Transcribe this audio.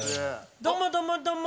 どうもどうもどうも！